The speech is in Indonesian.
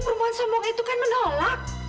perempuan sombong itu kan menolak